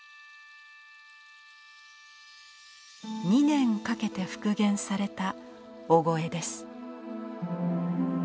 ２年かけて復元された「御後絵」です。